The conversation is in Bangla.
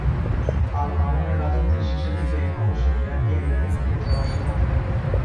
আল-মা'মুনের রাজত্বের শেষের দিকে অবশ্য ইয়াহিয়া ইরাকে ফিরে যাওয়ার সিদ্ধান্ত নেন।